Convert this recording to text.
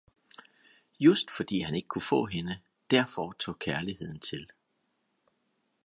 just fordi han ikke kunne få hende, derfor tog kærligheden til.